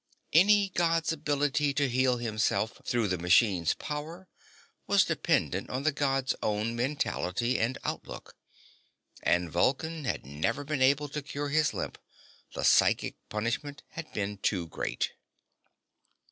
Any God's ability to heal himself through the machine's power was dependent on the God's own mentality and outlook. And Vulcan had never been able to cure his limp; the psychic punishment had been too great.